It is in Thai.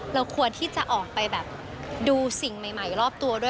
เราควรที่จะออกไปแบบดูสิ่งใหม่รอบตัวด้วย